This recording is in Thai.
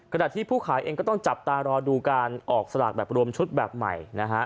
ขณะที่ผู้ขายเองก็ต้องจับตารอดูการออกสลากแบบรวมชุดแบบใหม่นะฮะ